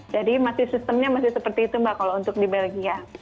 jadi masih sistemnya masih seperti itu mbak kalau untuk di belgia